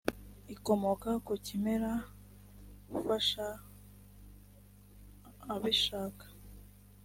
ikomoka ku kimera ufasha abishaka